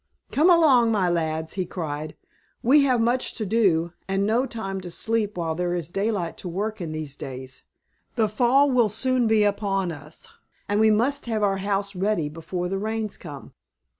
"Come along, my lads," he cried, "we have much to do, and no time to sleep while there is daylight to work in these days! The fall will soon be upon us, and we must have our house ready before the rains come."